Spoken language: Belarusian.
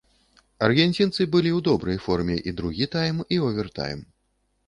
Аргенцінцы былі ў добрай форме і другі тайм, і овертайм.